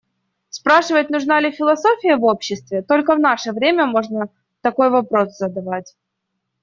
Спрашивать «нужна ли философия в обществе» - только в наше время можно такой вопрос задавать.